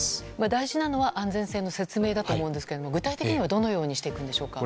大事なのは安全性の説明だと思うんですが具体的にはどのようにしていくんでしょうか。